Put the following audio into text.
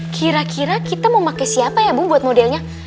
kira kira kita mau pakai siapa ya bu buat modelnya